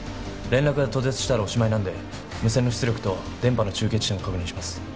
連絡が途絶したらおしまいなんで無線の出力と電波の中継地点を確認します。